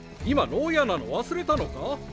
今牢屋なの忘れたのか？